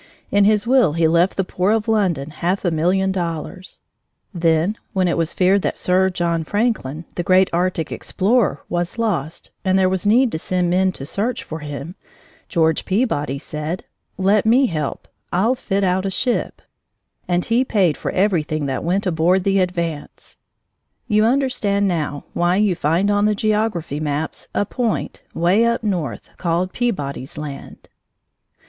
(In his will he left the poor of London half a million dollars.) Then, when it was feared that Sir John Franklin, the great arctic explorer, was lost, and there was need to send men to search for him, George Peabody said: "Let me help I'll fit out a ship," and he paid for everything that went aboard the Advance. You understand, now, why you find on the geography maps a point, way up north, called Peabody's Land!